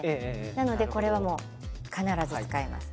なので、これは必ず使います。